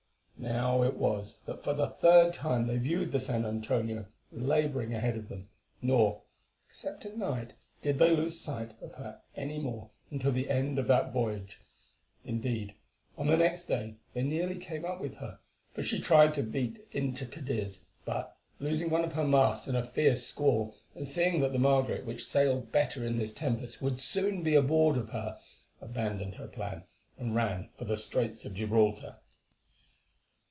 Now it was that for the third time they viewed the San Antonio labouring ahead of them, nor, except at night, did they lose sight of her any more until the end of that voyage. Indeed, on the next day they nearly came up with her, for she tried to beat in to Cadiz, but, losing one of her masts in a fierce squall, and seeing that the Margaret, which sailed better in this tempest, would soon be aboard of her, abandoned her plan, and ran for the Straits of Gibraltar.